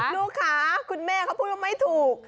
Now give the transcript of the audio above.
ลูกค้าคุณแม่เขาพูดว่าไม่ถูก